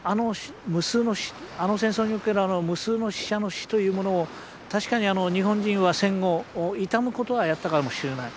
あの戦争における無数の死者の死というものを確かに日本人は戦後悼むことはやったかもしれない。